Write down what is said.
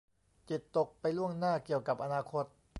จิตตกไปล่วงหน้าเกี่ยวกับอนาคต